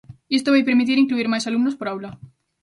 Isto vai permitir incluír máis alumnos por aula.